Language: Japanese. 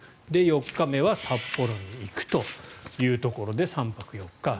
４日目は札幌に行くというところで３泊４日。